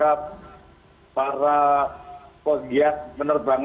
dan ada keadaan yang tidak terlalu baik